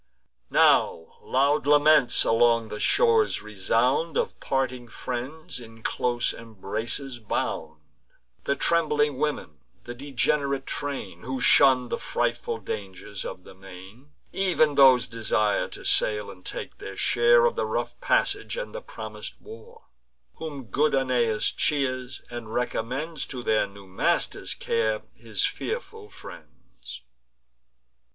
Now loud laments along the shores resound, Of parting friends in close embraces bound. The trembling women, the degenerate train, Who shunn'd the frightful dangers of the main, Ev'n those desire to sail, and take their share Of the rough passage and the promis'd war: Whom good Aeneas cheers, and recommends To their new master's care his fearful friends.